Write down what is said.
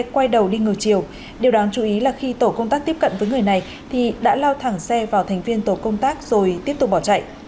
quay đầu đi ngược chiều điều đáng chú ý là khi tổ công tác tiếp cận với người này thì đã lao thẳng xe vào thành viên tổ công tác rồi tiếp tục bỏ chạy